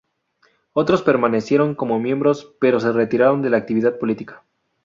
Otros permanecieron como miembros pero se retiraron de la actividad política.